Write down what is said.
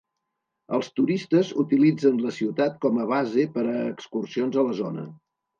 Els turistes utilitzen la ciutat com a base per a excursions a la zona.